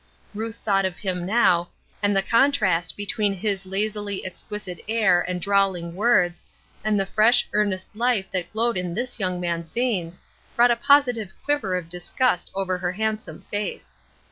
Ruth thought of him now, and the contrast between his lazily exquisite air and drawling words and the fresh, earnest life that glowed in this young man's veins brought a positive quiver of disgust over her handsome face.